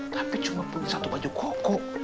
tapi cuma punya satu baju koko